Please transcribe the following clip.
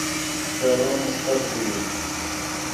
دورون استر ݰوئی